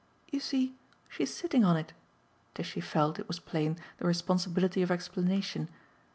"You see she's sitting on it" Tishy felt, it was plain, the responsibility of explanation.